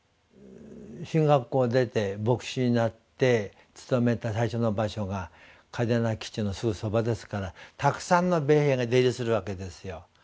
神学校を出て牧師になって勤めた最初の場所が嘉手納基地のすぐそばですからたくさんの米兵が出入りするわけですよ。